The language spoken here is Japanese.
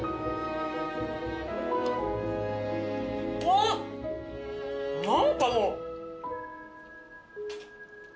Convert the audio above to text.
おっ何かもう。